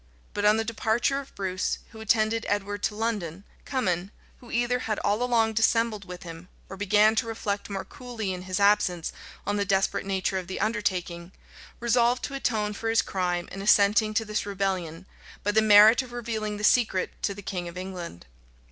But on the departure of Bruce, who attended Edward to London, Cummin, who either had all along dissembled with him, or began to reflect more coolly in his absence on the desperate nature of the undertaking, resolved to atone for his crime in assenting to this rebellion, by the merit of revealing the secret to the king of England.